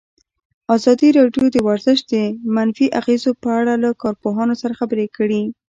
ازادي راډیو د ورزش د منفي اغېزو په اړه له کارپوهانو سره خبرې کړي.